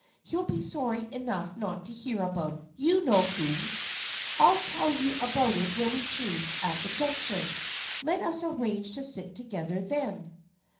He'll be sorry enough not to hear about — you know whom ! I'll tell you about it when we change at the Junction. Let us arrange to sit together then."